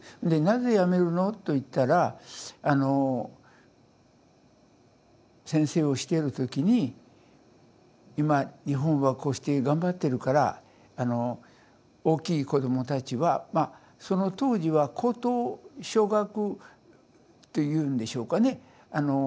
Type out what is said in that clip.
で「なぜ辞めるの？」と言ったらあの先生をしている時に今日本はこうして頑張ってるからあの大きい子どもたちはまあその当時は高等小学と言うんでしょうかね